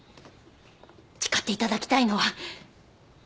誓っていただきたいのは。